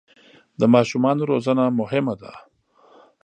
د ماشومانو روزنه مهمه ده.